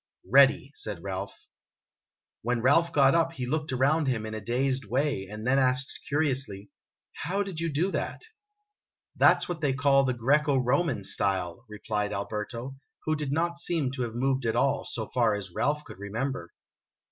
"Ready," said Ralph. When Ralph got up he looked around him in a dazed way, and then asked curiously, " How did you do that ?' "That 's what they call the Greco Roman style," replied Al berto, who did not seem to have moved at all, so far as Ralph could remember.